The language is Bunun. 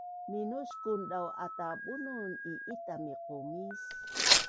Minuskun dau ata Bunun i’ita miqumis